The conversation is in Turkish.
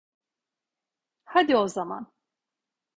Hadi o zaman.